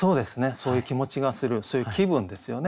そういう気持ちがするそういう気分ですよね。